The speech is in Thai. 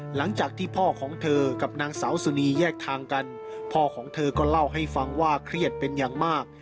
หลังจากที่พ่อของเธอกับนางสาวสุนีแยกทางกันพ่อของเธอก็เล่าให้ฟังว่าเครียดเป็นอย่างมาก